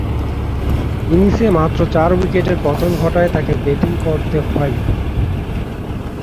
ইনিংসে মাত্র চার উইকেটের পতন ঘটায় তাকে ব্যাটিং করতে হয়নি।